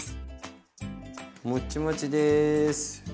もっちもちです。